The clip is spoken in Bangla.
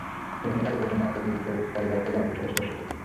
তিনি এর আগে পশ্চিমবঙ্গের প্রতিনিধিত্বকারী ভারতের গণপরিষদের সদস্য ছিলেন।